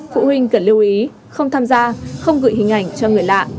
phụ huynh cần lưu ý không tham gia không gửi hình ảnh cho người lạ